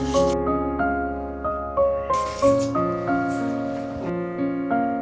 terus disuruh saya dirunter di t tolerant gewoon khusus